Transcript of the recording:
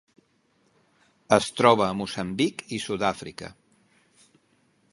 Es troba a Moçambic i Sud-àfrica.